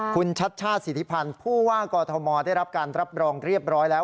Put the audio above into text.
คุณชัชชาติสิทธิพันธ์ผู้ว่ากอทมได้รับการรับรองเรียบร้อยแล้ว